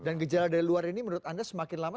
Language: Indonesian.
dan gejala dari luar ini menurut anda semakin lama